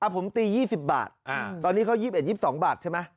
ผมตี๒๐บาทตอนนี้เขา๒๑๒๒บาทใช่ไหม